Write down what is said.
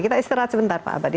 kita istirahat sebentar pak abadi